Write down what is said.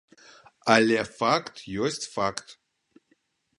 Але факт ёсць факт.